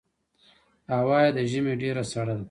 هوا یې د ژمي ډېره سړه ده.